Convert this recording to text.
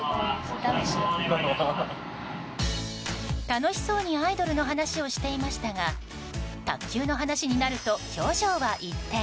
楽しそうにアイドルの話をしていましたが卓球の話になると表情は一転。